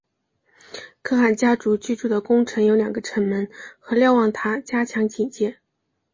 可汗家族居住的宫城有两个城门和瞭望塔加强警戒。